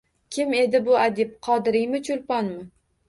Kim edi bu adib? Qodiriymi?.. Cho’lponmi?